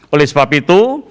oleh sebab itu